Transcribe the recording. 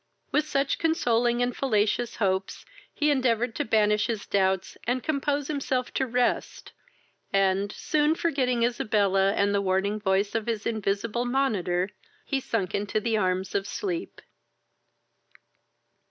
With such consoling and fallacious hopes he endeavoured to banish his doubts, and compose himself to rest, and, soon forgetting Isabella, and the warning voice of his invisible monitor, he sunk into the arms of sleep.